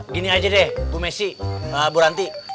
gini aja deh bu messi bu ranti